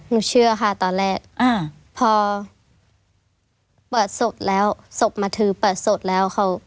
เชื่อค่ะตอนแรกอ่าพอเปิดสดแล้วศพมาถือเปิดสดแล้วเขา